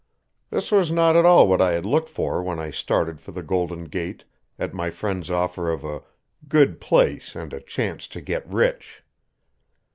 This was not at all what I had looked for when I started for the Golden Gate at my friend's offer of a "good place and a chance to get rich."